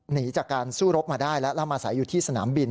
หนีจากการสู้รบมาได้แล้วแล้วมาใส่อยู่ที่สนามบิน